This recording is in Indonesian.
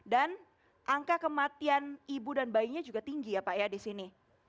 dan angka kematian ibu dan bayinya juga tinggi ya pak ya di sini